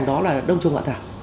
đó là đông trùng hạ thảo